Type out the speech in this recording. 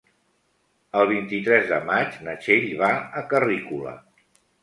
El vint-i-tres de maig na Txell va a Carrícola.